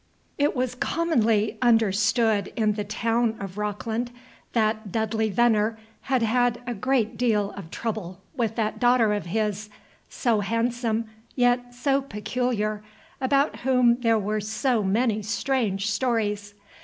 It was commonly understood in the town of Rockland that Dudley Venner had had a great deal of trouble with that daughter of his, so handsome, yet so peculiar, about whom there were so many strange stories.